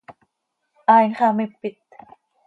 Haai nxamipit.